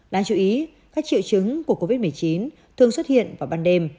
đáng chú ý các triệu chứng của covid một mươi chín thường xuất hiện vào ban đêm